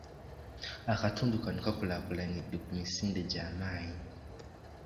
Akatundu kano kakulaakulanidde ku misinde gya maanyi.